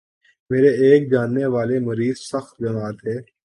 میرے ایک جاننے والے مریض سخت بیمار تھے